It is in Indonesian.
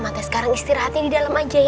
maka sekarang istirahatnya di dalam aja ya